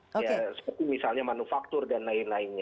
ya seperti misalnya manufaktur dan lain lainnya